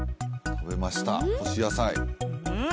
食べました干し野菜ん？